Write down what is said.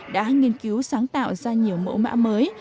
đã nghiên cứu sáng tạo ra nhiều mẫu mã mới